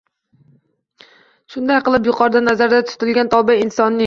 Shunday qilib, yuqorida nazarda tutilgan tobe insonning